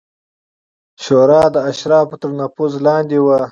شورا د اشرافو تر نفوذ لاندې وه